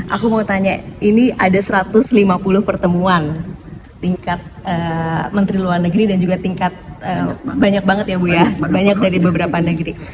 aku mau tanya ini ada satu ratus lima puluh pertemuan tingkat menteri luar negeri dan juga tingkat banyak banget ya bu ya banyak dari beberapa negeri